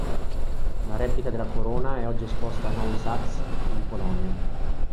Una replica della corona è oggi esposta a Nowy Sącz, in Polonia.